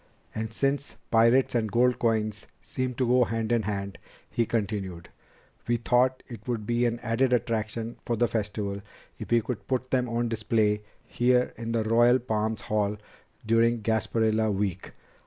"And since pirates and old gold coins seem to go hand in hand," he continued, "we thought it would be an added attraction for the Festival if we could put them on display here in the Royal Palms Hall during Gasparilla Week.